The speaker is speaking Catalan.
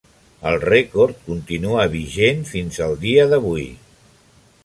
El rècord continua vigent fins al dia d'avui.